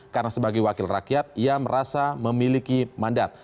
karena sebagai wakil rakyat ia merasa memiliki mandat